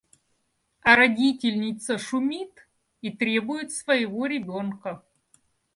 А родительница шумит и требует своего ребёнка.